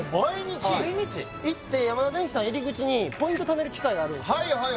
行ってヤマダデンキさん入り口にポイント貯める機械があるんですはい